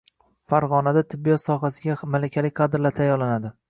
Farg‘onada tibbiyot sohasiga malakali kadrlar tayyorlanadi